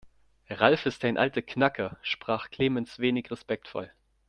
"Ralf ist ein alter Knacker", sprach Clemens wenig respektvoll.